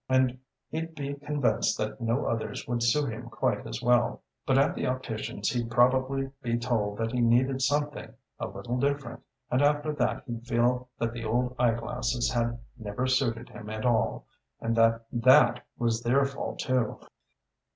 And he'd be convinced that no others would suit him quite as well. But at the optician's he'd probably be told that he needed something a little different, and after that he'd feel that the old eye glasses had never suited him at all, and that that was their fault too....